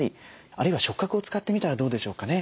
あるいは触覚を使ってみたらどうでしょうかね。